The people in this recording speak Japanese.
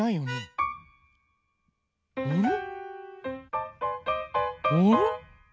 うん。